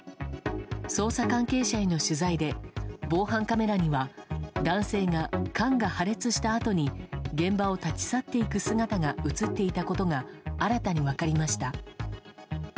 捜査関係者への取材で防犯カメラには男性が、缶が破裂したあとに現場を立ち去っていく姿が映っていたことが新たに分かりました。